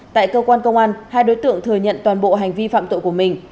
tại cơ quan công an hai đối tượng thừa nhận toàn bộ hành vi phạm tội của mình